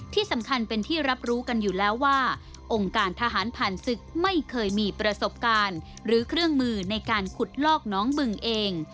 ที่สำคัญเป็นที่รับรู้กันอยู่แล้วว่าองค์การทหารผ่านศึกไม่เคยมีประสบการณ์หรือเครื่องมือในการขุดลอกน้องบึงเอง